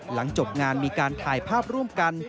หลังจบงานมีการถ่ายภาพร่วมกัน